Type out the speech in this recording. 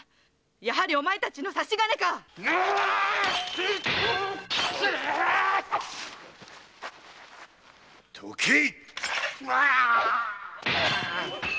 やはりお前たちの差し金か⁉どけっ！